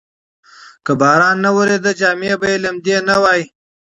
که باران نه وریده، جامې به یې لمدې نه وای.